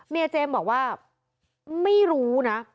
เจมส์บอกว่าไม่รู้นะ